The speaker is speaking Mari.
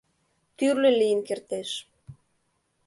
Тӱрлӧ лийын кертеш».